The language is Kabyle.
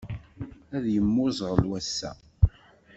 Ad yemmuẓɣel wass-a.